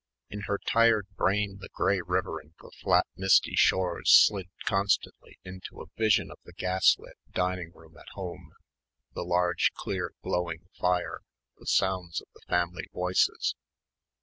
In her tired brain the grey river and the flat misty shores slid constantly into a vision of the gaslit dining room at home ... the large clear glowing fire, the sounds of the family voices.